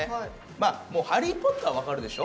まあハリー・ポッターは分かるでしょ？